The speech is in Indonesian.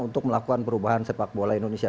untuk melakukan perubahan sepak bola indonesia